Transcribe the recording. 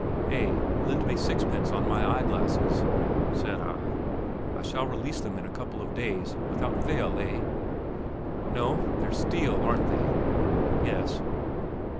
"Eh, lend me sixpence on my eye glasses?" said I. "I shall release them in a couple of days, without fail eh?" "No! they're steel, aren't they?" "Yes."